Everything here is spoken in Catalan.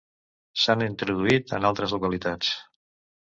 S'han introduït en altres localitats.